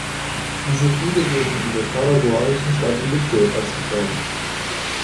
Diese Spiele wurden in der paraguayischen Stadt Luque ausgetragen.